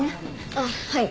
あっはい。